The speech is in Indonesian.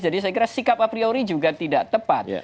saya kira sikap a priori juga tidak tepat